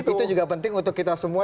itu juga penting untuk kita semua